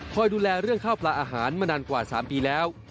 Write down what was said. ดูแลเรื่องข้าวปลาอาหารมานานกว่า๓ปีแล้ว